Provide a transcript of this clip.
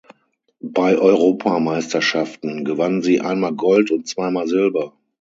Bei Europameisterschaften gewann sie einmal Gold und zweimal Silber.